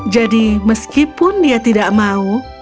jadi meskipun dia tidak mau